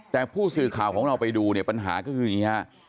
แต่ผู้สื่อข่าวของเราไปดูเนี่ยปัญหาก็คืออย่างนี้ฮะ